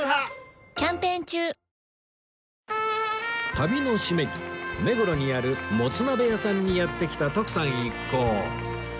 旅の締めに目黒にあるもつ鍋屋さんにやって来た徳さん一行